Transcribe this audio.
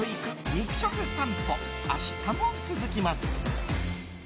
肉食さんぽ、明日も続きます。